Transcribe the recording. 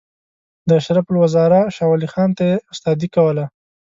د اشرف الوزرا شاولي خان ته یې استادي کوله.